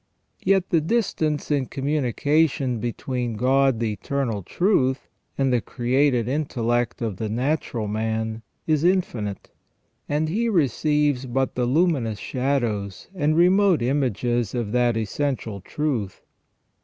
Yet the distance in communication between God the Eternal Truth and the created intellect of the natural man is infinite ; and he receives but the luminous shadows and remote images of that essential truth.